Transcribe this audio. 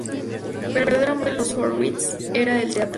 Pero el verdadero amor de los Horwitz era el teatro.